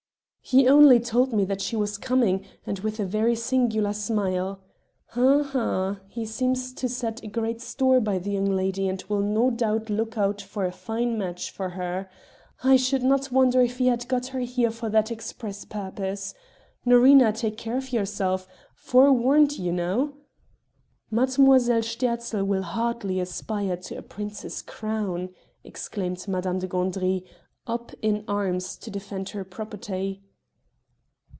"He only told me that she was coming, and with a very singular smile. Hm, Hm! he seems to set great store by the young lady and will no doubt look out for a fine match for her. I should not wonder if he had got her here for that express purpose. Norina, take care of yourself forewarned you know...." "Mademoiselle Sterzl will hardly aspire to a prince's crown!" exclaimed Madame de Gandry, up in arms to defend her property.